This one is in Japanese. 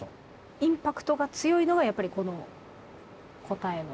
インパクトが強いのがやっぱりこの答えの。